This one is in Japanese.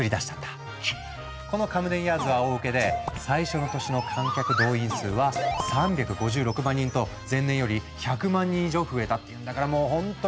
このカムデンヤーズは大ウケで最初の年の観客動員数は３５６万人と前年より１００万人以上増えたっていうんだからもうほんとにグレート！